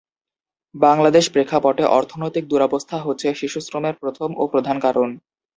বাংলাদেশ প্রেক্ষাপটে অর্থনৈতিক দুরবস্থা হচ্ছে শিশুশ্রমের প্রথম ও প্রধান কারণ।